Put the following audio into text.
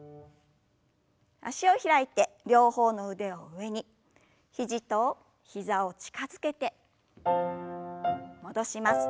脚を開いて両方の腕を上に肘と膝を近づけて戻します。